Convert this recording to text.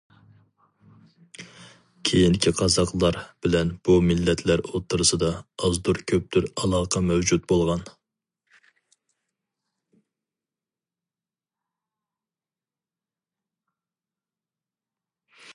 كېيىنكى قازاقلار بىلەن بۇ مىللەتلەر ئوتتۇرىسىدا ئازدۇر-كۆپتۇر ئالاقە مەۋجۇت بولغان.